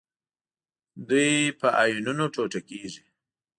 دوی په آیونونو ټوټه کیږي.